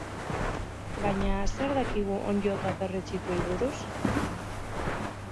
Baina zer dakigu onddo eta perretxikoi buruz?